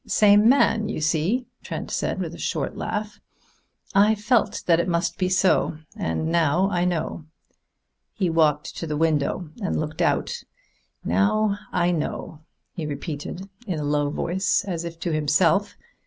"Same man, you see," Trent said with a short laugh. "I felt that it must be so, and now I know." He walked to the window and looked out. "Now I know," he repeated in a low voice, as if to himself.